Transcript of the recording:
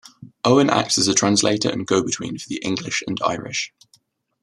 Owen acts as a translator and go-between for the English and Irish.